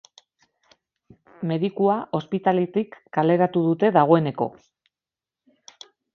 Medikua ospitaletik kaleratu dute dagoeneko.